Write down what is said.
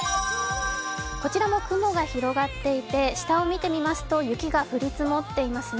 こちらも雲が広がっていて、下を見てみますと雪が降り積もっていますね。